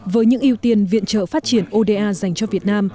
với những ưu tiên viện trợ phát triển oda dành cho việt nam